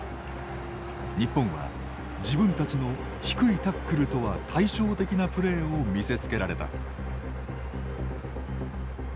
日本は自分たちの低いタックルとは対照的なプレーを見せつけられた。